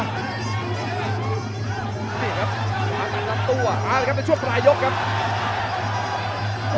นี่ครับอันนั้นรับตัวเอาละครับในช่วงปลายยกครับ